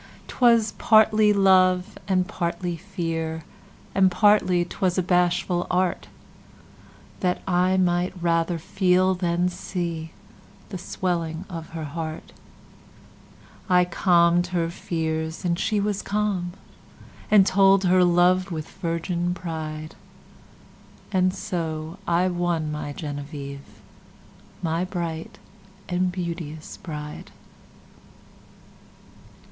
'Twas partly love, and partly fear. And partly 'twas a bashful artThat I might rather feel, than see, The swelling of her heart.I calm'd her fears, and she was calm. And told her love with virgin pride; And so I won my Genevieve, My bright and beauteous Bride.